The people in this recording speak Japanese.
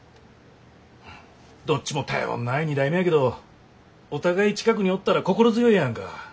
どっちも頼んない２代目やけどお互い近くにおったら心強いやんか。